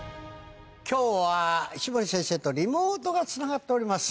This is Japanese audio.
今日は石森先生とリモートがつながっております。